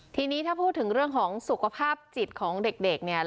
ทีนี้ถ้าพูดถึงเรื่องของสุขภาพจิตของเด็กเนี่ย